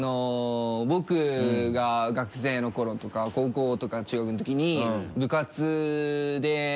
僕が学生の頃とか高校とか中学のときに部活で。